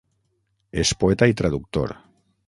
És poeta i traductor.